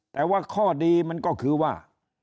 แต่ว่าข้อดีมันก็คือว่า